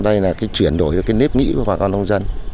đây là cái chuyển đổi cho cái nếp nghĩ của bà con nông dân